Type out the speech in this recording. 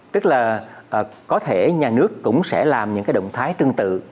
tức là có thể nhà nước cũng sẽ làm những cái động thái tương tự